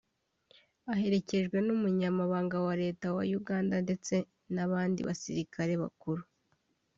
aherekejwe n’umunyamabanga wa Leta wa Uganda ndetse n’abandi basirikare bakuru